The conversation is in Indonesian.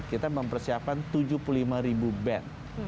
kita mempersiapkan tujuh puluh lima ribu band